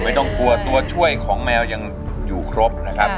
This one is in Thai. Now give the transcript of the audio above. ไม่ต้องกลัวตัวช่วยของแมวยังอยู่ครบนะครับ